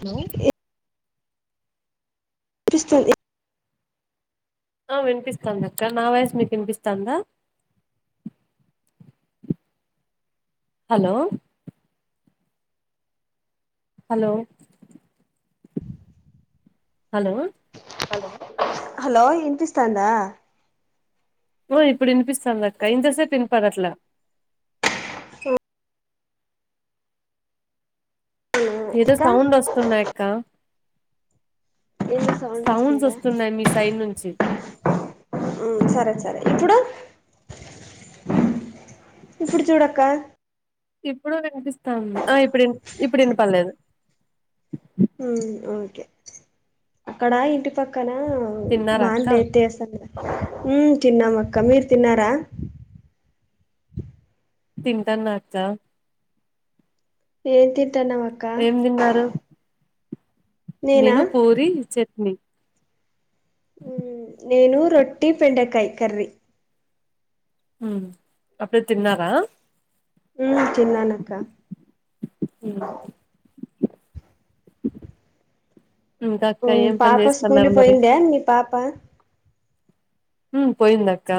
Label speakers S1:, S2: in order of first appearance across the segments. S1: Hello
S2: ఏ విన్ పిస్తూ
S1: ఆ వినిపిస్తుందా అక్క నా వాయిస్ మీకు వినిపిస్తాందా హలో హలో హలో
S2: హలో వినిపిస్తుందా
S1: ఆ ఇప్పుడు వినిపిస్తాంది అక్క ఇంత సేపు వినపడట్లే
S2: స
S1: ఏదో
S2: అక్క
S1: సౌండ్ వస్తున్నాయి అక్క
S2: ఏదో సౌండ్
S1: సౌండ్స్
S2: వస్తుందా
S1: వస్తున్నాయి మీ సైడ్ నుంచి
S2: ఉమ్ సరే సరే ఇప్పుడు ఇప్పుడు చూడక్క
S1: ఇప్పుడు వినిపిస్తాంది ఆ ఇప్పుడు ఇప్పుడు వినపడలేదు
S2: ఉమ్మ్ ఓకే అక్కడా ఇంటి పక్కన
S1: తిన్నారా అక్క
S2: మాన్లేతేస్తున్నదా ఉమ్ తిన్నాం అక్క మీరు తిన్నారా
S1: తింటాన్న అక్క
S2: ఏం తింటన్నావు
S1: ఏం తిన్నారు
S2: నేనా
S1: నేను పూరి చట్నీ
S2: ఉ నేను రొట్టి బెండకాయ కర్రీ
S1: ఉ అప్పుడే తిన్నారా
S2: ఉ తిన్నాను అక్క
S1: హు ఇంకా
S2: ఉ
S1: అక్క ఏం పని
S2: పాప స్కూల్
S1: చేస్తున్నారు మరి
S2: పోయిందా మీ పాప
S1: ఉ పోయిందాక్క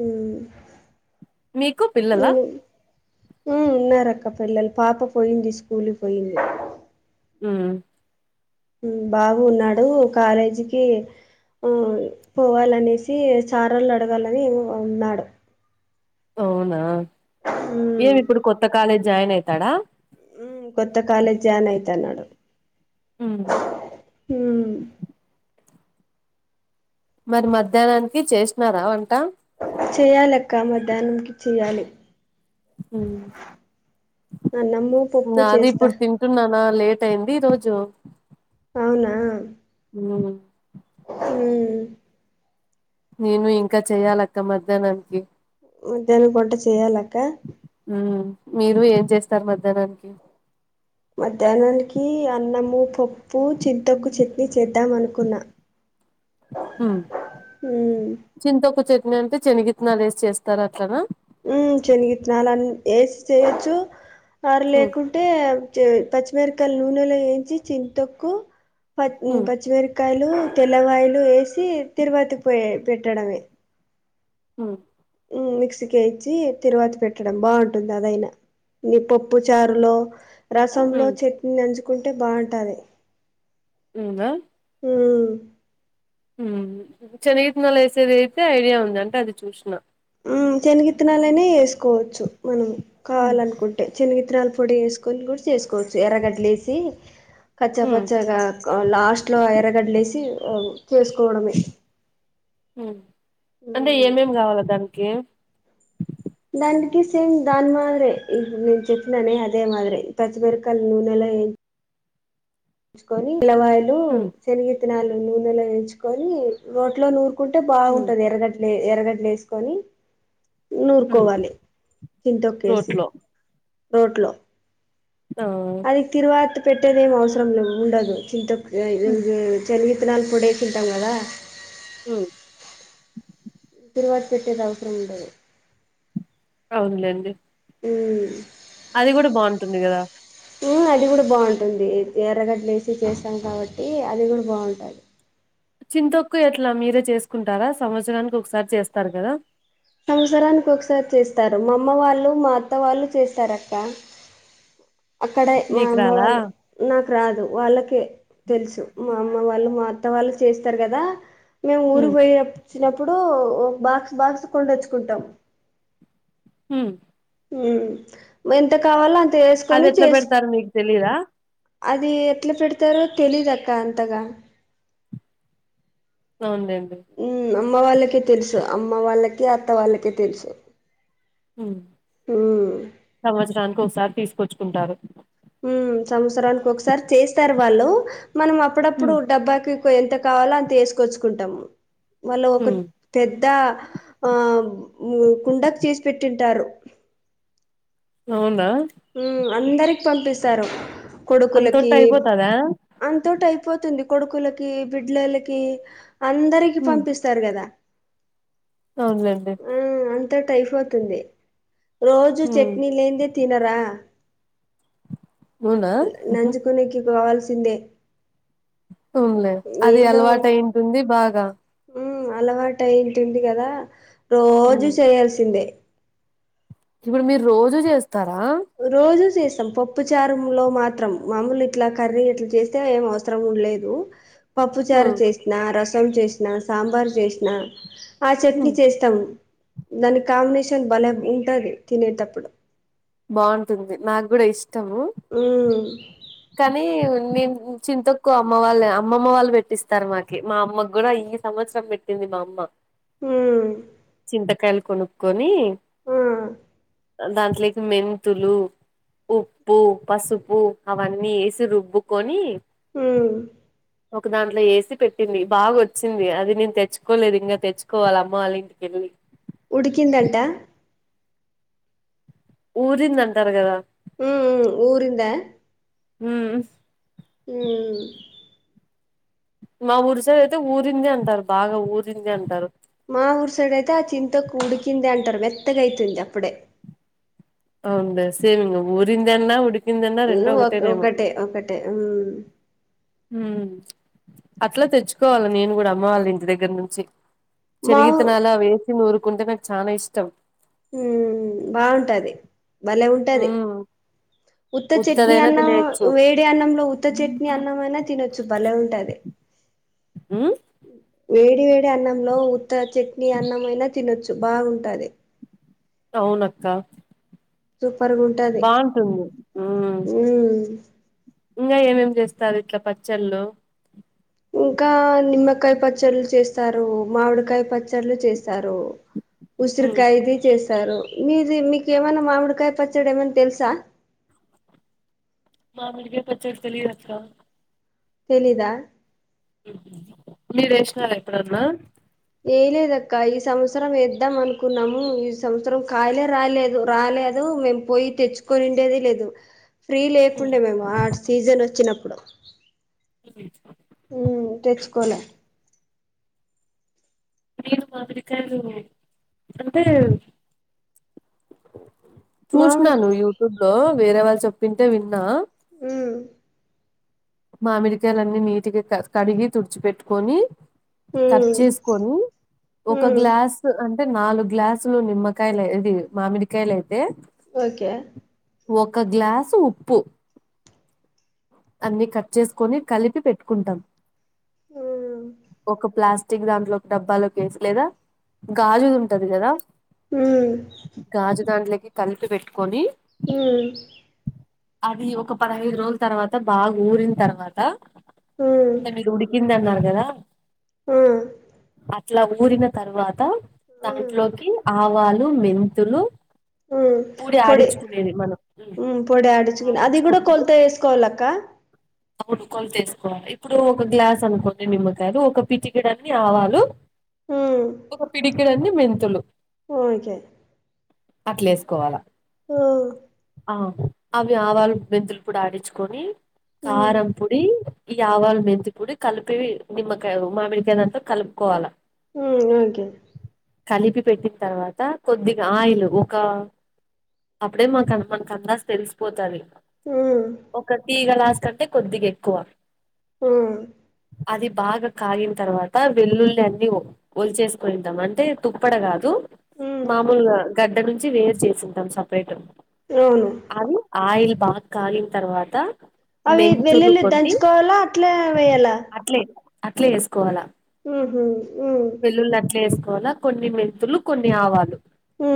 S2: ఉ
S1: మీకు పిల్లలా
S2: నేను ఉన్నారు అక్క పిల్లలు పాప పోయింది స్కూల్ పోయింది
S1: హామ్
S2: ఉ బాగున్నాడు కాలేజీకి ఉ పోవాలనేసి చారోలు అడగాలని ఉన్నాడు
S1: అవునా
S2: ఉమ్
S1: ఏమి ఇప్పుడు కొత్త కాలేజ్ జాయిన్ అయితాడా
S2: కొత్త కాలజ్ జాన్ అయితా నాడు
S1: ఆ
S2: హుమ్
S1: మరి మధ్యాహ్నానికి చేస్తున్నారా వంట
S2: చేయాలక్క మధ్యాహ్నంకి చేయ్యాలి అన్నము పప్పు
S1: నాది
S2: చేస్తా
S1: ఇప్పుడు తిన్ తంటున్నానా లేట్ అయింది ఈ రోజు
S2: అవునా
S1: ఉ
S2: ఊ
S1: నేను ఇంకా చెయ్యాలి అక్క మధ్యాహ్నానికి
S2: మధ్యాహన వంట చేయ్యాలక్క
S1: ఆ మీరు ఏం చేస్తారు మధ్యాహ్నానికి
S2: మధ్యాహ్నానికి అన్నము పప్పు చింతకు చట్నీ చేద్దాం అనుకున్నా ఉమ్
S1: చింతకు చట్నీ అంటే శనగిత్తనాలు వేసి చేస్తారు అట్లనా
S2: ఉ శనిగిత్తినలాని వేసి చేయొచ్చు అరు లేకుటె అంటే పచ్చిమిరకాయల నూనెలో వేంచి చిన్ తొక్కు పచ్చిమిరకాయ కాయలు తెల్లవాయలు వేసి తిరుపతికి పోయ పెట్టడమే
S1: హ
S2: మిక్సీకి ఇచ్చి తిరువాతి పెట్టడం బాగుంటుంది అదైనా ఇ పప్పు చారులో రసంలో చట్నీనించుకుంటే బాగుంటది
S1: అవునా
S2: హు
S1: శనగితినలు వేసేది అయితే ఐడియా ఉంది అది చూసిన
S2: ఉమ్ శనగిత్తినాలనే వేసుకోవచ్చు మనం కావాలనుకుంటు చిన్నగి తినాల పొడి వేసుకొని కూడా చేసుకోవచ్చు ఎర్రగడ్లే ఎసి కచ్చా పచ్చగా లాస్ట్ లో ఎరగడ్లే ఎసి చేసుకోవడమే
S1: అంటే ఏమేం కావాల దానికి
S2: దానికి సేమ్ దాని మాదిరే ఇప్పు నేను చెప్పిననే అదే మాదిరి పచ్చిమిరకాయలు నూనెలో వే కొన్ని ఎల్లవాయులు
S1: హు
S2: శనగిత్తనాలు నూనెలో వేంచుకొని రోట్లో నూరుకుంటే బాగుంటుంది ఎర్రగడ్డ లే ఎరగడ్లు తీసుకొని నూరుకోవాలి చింత
S1: రోట్
S2: తొక్కేసి
S1: లో
S2: రోడ్లో
S1: ఆ
S2: నికి తిరువాత పెట్టేద ఏం అవసరం ఉండదు చింత చలివిత్తనాలు పొడే తింటం కదా
S1: హు
S2: [unintelligible] పెట్టేది అవసరం ఉండదు
S1: అవునులేండి
S2: హు
S1: అది కూడ బాగుంటుంది కదా
S2: అది కూడా బాగుంటుంది ఎర్రగడ్లు వేసి చేస్తాం కాబట్టి అది కూడా బాగుంట
S1: చింతొక్కు ఎట్లా మీరే చేసుకుంటారా సంవత్సరానికి ఒకసారి చేస్తారు కదా
S2: సంవత్సరానికి ఒకసారి చేస్తారు మా అమ్మ వాళ్ళు మా అత్త వాళ్ళు చేస్తారు అక్క అక్కడే మా
S1: మీకు
S2: అమ్మ
S1: రాదా
S2: వాళ్ళు నాకు రాదు వాళ్ళకే తెలుసు మా అమ్మ వాళ్ళు మా అత్త వాళ్ళు చేస్తారు కదా మేము ఊరికి
S1: ఉమ్
S2: పోయి వచ్చినప్పుడు ఒక బాక్స్ బాక్స్ [unintelligible]
S1: హ
S2: ఎంత కావాలో అంత [unintelligible]
S1: అది ఎట్ల పెడతారు మీకు తెలిద
S2: అది ఎట్ల పెడతారో తెలీదక్క అంతగ
S1: అవునులేండి
S2: అమ్మ వాళ్ళకే తెలుసు అమ్మ వాళ్ళకి అత్త వాళ్ళకే తెలుసు
S1: హ
S2: హు
S1: సంవత్సరానికి ఒకసారి తీసుకొచ్చుకుంటారు
S2: సంవత్సరానికి ఒకసారి చేస్తారు వాళ్ళు మనం అప్పుడప్పుడు
S1: ఉమ్
S2: డబ్బకి ఎంత కావాలో అంత వేసుకొచ్చుకుంటాము
S1: ఉమ్
S2: [unintelligible] పెద్ద ఆ కుండకు చేసి పెట్టింటారు
S1: అవునా
S2: అందరికి పంపిస్తారు కొడుకులకి
S1: అంతొట్టు అయిపోతదా
S2: అంతోటి అయిపోతుంది కొడుకులకి బిడ్లలకి అందరికి
S1: ఉమ్
S2: పంపిస్తారు కదా
S1: అవునులేండి
S2: ఆ అంతో అయిపోతుంది రోజు
S1: ఉమ్
S2: చట్నీ లేనిదే తినరా
S1: అవునా
S2: నంజూకానికి కావాల్సిందే
S1: ఊన్లే అది అలవాటు అయింటుంది బాగా
S2: ఉ అలవాటుయింటుంది కదా రోజు
S1: ఉమ్
S2: చేయాల్సిందే
S1: ఇప్పుడు మీరు రోజ చేస్తారా
S2: రోజూ చేస్తాం పప్పు చారం లో మాత్రం మామూలు ఇట్లా కర్రీ ఇట్లా చేస్తే ఎం ఆవ్ [unintelligible] లేదు పప్పుచారు
S1: ఉమ్
S2: చేసిన రసం చేసినా సాంబార్ చేసిన ఆ
S1: ఉమ్
S2: చట్నీ చేస్ తం దాని కాంబినేషన్ బలే ఉంటది తినేటప్పుడు
S1: బాగుంటుంది నాకు కూడ ఇష్టము
S2: హు
S1: కానీ [unintelligible] చింతొక్కు అమ్మ వాళ్ళు అమ్మమ్మ వాళ్ళు పెట్టిస్తారు మాకి మా అమ్మ కూడా ఈ సంవత్సరం పెట్టింది మా అమ్మ
S2: ఉమ్
S1: చింతకాయలు కొనుక్కొని
S2: ఆ
S1: దాంట్లోకి మెంతులు, ఉప్పు, పసుపు, అవన్నీ వేసి రుబ్బుకొని
S2: హ్మ్మ్
S1: ఒక దాంట్లో ఏసి పెట్టింది. బాగా వచ్చింది. అది నేను తెచ్చుకోలేదు ఇంకా తెచ్చుకోవాలి. అమ్మ వాళ్ళ ఇంటికెళ్ళి
S2: ఉడికిందంట.
S1: ఊరిందటారు. కదా
S2: ఉ ఊరింద
S1: హ్మ్
S2: ఉ
S1: మా ఊరిసైడ్ అయితే ఊరింది అంటారు. బాగా ఊరింది అంటారు.
S2: మా ఊరు సైడ్ అయితే ఆ చింతొక్కు ఉడికింది అంటారు మెత్తగా అయితే అప్పుడే
S1: అవునులే సేమ్ ఇంగ ఊరింది అన్న ఉడి
S2: ఇ ఒక ఒకటే ఒకటే
S1: హ్మ్మ్ అట్లా తెచ్చుకోవాలి. నేను కూడా అమ్మవాలి ఇంటి దగ్గర నుంచి
S2: మా ఊ
S1: చనిగిత్తనాలు అవి ఏసి నురుకుంటే నాకు చాలా ఇష్టం
S2: హ్మ్ బాగుంటది. భలేెఉంటది.
S1: హ్మ్
S2: ఉత్త చట్నీ
S1: ఉత్తదైనా
S2: అన్నం
S1: తినేయొచ్చు
S2: వేడి అన్నంలో ఉత్త చట్నీ అన్నం అయినా తినొచ్చు. భలే ఉంటది.
S1: హ్మ్
S2: వేడి వేడి అన్నంలో ఉత్త చట్నీ అన్నం అయినా తినొచ్చు బాగుంటది.
S1: అవునక్క
S2: సూపర్గా ఉంటది
S1: బాంటుంది. హ
S2: హ్మ్
S1: ఇంకా ఏమేం చేస్తారు ఇట్లా పచ్చళ్ళు
S2: ఇంకా నిమ్మకాయ పచ్చళ్ళు చేస్తారు. మామిడికాయ పచ్చళ్ళు చేస్తారు.
S1: హ్మ్
S2: ఉసిరికాయ ఇది చేస్తారు. మీది మీకుమైనా మామిడికాయ పచ్చడి ఏమన్నా తెలుసా
S1: మామిడికాయ పచ్చడి తెలియదక్క
S2: తెలిదా
S1: మీరు వేసినార ఎప్పుడన్నా
S2: ఏ లేదక్క ఈ సంవత్సరం ఎద్దాం అనుకున్నాము. ఈ సంవత్సరం కాయలే రాలేదు రాలేదు మేం పోయి తెచ్చుకొని ఉండేది లేదు ఫ్రీ లేకుండే మేము ఆ సీజన్ వచ్చినప్పుడు హ్మ్ తెచ్చుకోలే
S1: మీరు మాదిరికాదు అంటే [unintelligible]
S2: మామిడి
S1: చూసినను యూట్యూబ్ లో వేరే వాళ్ళు చెప్పింటే విన్నా
S2: ఉ
S1: మామిడికాయలు అన్నీ నీటిగా క కడిగి తుడిచిపెట్టుకొని కట్
S2: ఉమ్
S1: చేసుకొని ఒక
S2: ఉమ్
S1: గ్లాస్ అంటే నాలుగు గ్లాసులు నిమ్మకాయలు ఇది మామిడికాయలు అయితే
S2: ఓకే
S1: ఒక గ్లాసు ఉప్పు అన్ని కట్ చేసుకొని కలిపి పెట్టుకుంటాం.
S2: ఉమ్
S1: ఒక ప్లాస్టిక్ టిక్ దాంట్లో ఒక డబ్బాలు కేేసి లేదా గాజు ఉంటది కదా
S2: ఉమ్
S1: గాజు దాంట్లోకి కలిపి పెట్టుకొని
S2: హ్మ్మ్
S1: అది ఒక పదహైదు రోజుల తర్వాత బాగా ఊరిన తర్వాత
S2: ఉమ్
S1: అంటే మీరు ఉడికింది అన్నారు గదా
S2: మ్
S1: అట్లా ఊరిన తర్వాత
S2: ఉమ్
S1: దాంట్లోకి ఆవాలు మెంతులు
S2: హ్మ్
S1: పూడి
S2: పొడి
S1: ఆడించుకునేది మనం
S2: హ్మ్ పొడి ఆడిచుకుని అది కూడా
S1: ఆడించుకొని
S2: కొలతా వేసుకోవాల అక్క
S1: అవును కొలత వేసుకోవాలి ఇప్పుడు ఒక గ్లాస్ అనుకోండి నిమ్మకాయలు ఒక పిటికీడు అన్ని ఆవాలు
S2: ఉమ్
S1: ఒక పిడికిడన్ని మెంతులు
S2: ఓకే
S1: అట్లా ఏస్కోవాలా
S2: ఆ
S1: ఆ అవి ఆవాలు మెంతులు పొడి ఆడిచుకొని
S2: ఉమ్
S1: కారం పొడి ఈ ఆవాల మెంతి పూడి కలిపేవి నిమ్మకా మామిడికాదంతా కలుపుకోవాలా
S2: మ్ ఒకే
S1: కలిపి పెట్టిన తర్వాత కొద్దిగా ఆయిల్ ఒక అప్పుడే మాకు మనకు అందాసు తెలిసిపోతది
S2: ఉమ్
S1: ఒక టి గలాస్ కంటే కొద్దిగా ఎక్కువ
S2: మ్
S1: అది బాగా కాగిన తర్వాత వెల్లుల్లి అన్ని ఒ ఒలిచేసుకునిద్దాం అంటే తుప్పడ కాదు
S2: ఉమ్
S1: మామూలుగా గడ్డ నుంచి వేరు చేసింటాం సపరేట్
S2: అవును
S1: అది ఆయిల్ బాగా కాగిన తర్వాత
S2: అవి
S1: మెంతులు
S2: వెల్లుల్లి
S1: కొన్ని
S2: దంచుకోవాలా అట్లే వేయాలా
S1: అట్లే అట్లే వేసుకోవాల
S2: మ్ హు ఉ
S1: వెల్లుల్లి అట్లే వేసుకోవాలా కొన్ని మెంతులు కొన్ని ఆవాలు
S2: మ్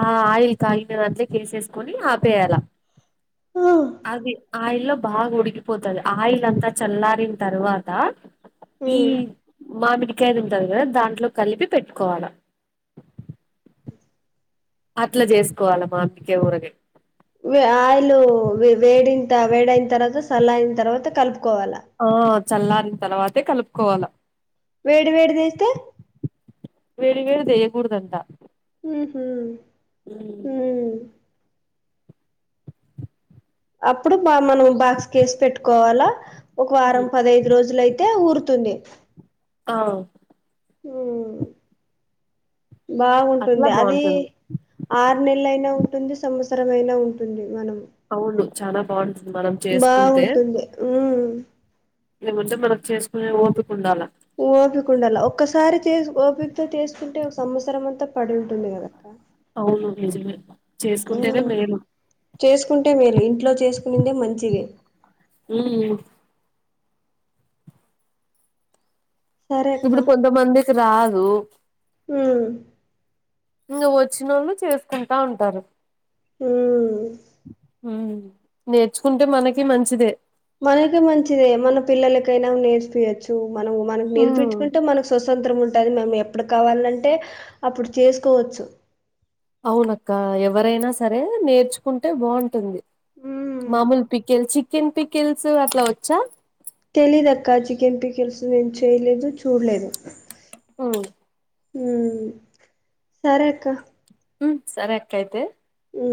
S1: ఆ ఆయిల్ కాగిండే దాంట్లో కేసేసుకొని ఆపేయాల
S2: ఉమ్
S1: అది ఆయిల్ లో బాగా ఉడికిపోతుది ఆయిల్ అంతా చల్లారిన్ తర్వాత ఈ
S2: ఉమ్
S1: మామిడికాయ తింటారు కదా దాంట్లో కలిపి పెట్టుకోవాల అట్ల జేసుకోవాల మామిడికాయ ఊరగాయ్
S2: వే ఆయిలు వే వేడింత వేడైన తర్వాత సల్లరిన అయిన తర్వాత కలుపుకోవాలా
S1: ఆ చల్లారిన తర్వాతే కలుపుకోవాల
S2: వేడి వేడిదేస్తే
S1: వేడి వేడిది ఏయకూడదట్ట
S2: మ్ హు
S1: ఉ
S2: అప్పుడు మనం బాక్స్ కేసి పెట్టుకోవాలా ఒక వారం పదహైదు రోజులు అయితే ఊరుతుంది
S1: ఆ
S2: మ్
S1: అట్లా
S2: బాగుంటుంది అది
S1: బాగుంటుంది
S2: ఆరు నెలలయినా ఉంటుంది సంవత్సరం అయినా ఉంటుంది మనం
S1: అవును చాలా బాగుంట్
S2: బాగుంటుంది మ్
S1: లేపోతే మనకు చేసుకునే ఓపికుండాల
S2: ఓపిక ఉండాల ఒక్కసారి తీస్ ఓపిక్తో చేసుకుంటే ఒక సంవత్సరం అంతా పడి ఉంటుంది కదా క
S1: అవును నిజమే చేసుకుంటేనే మేలు
S2: చేసుకుంటే మేలు ఇంట్లో చేసుకునేది మంచిది
S1: ఉ
S2: సరే అక్క
S1: ఇప్పుడు కొంతమందికి రాదు
S2: ఉమ్
S1: ఇంక వచ్చినోళ్ళు చేసుకుంటా ఉంటారు
S2: హ్మ్
S1: నేర్చుకుంటే మనకి మంచిదే
S2: మనకే మంచిదే మన పిల్లలకైనా నేర్పియొచ్చు మనం మనం నేర్పించుకుంటే మనకు స్వతంత్రం ఉంటుంది మనం అప్పుడు కావాలంటే అప్పుడు చేస్కోవచ్చు
S1: అవునక్క ఎవరైనా సరే నేర్చుకుంటే బాగుంటుంది
S2: ఉమ్
S1: మామూలు పికెల్ చికెన్ పికెల్స్ అట్లా వచ్చా
S2: తెలిదక్క చికెన్పికల్స్ ఏం చేయలేదు చూడ్లేదు
S1: ఉమ్
S2: సరే అక్క
S1: ఉ సర అక్కైతే
S2: ఉ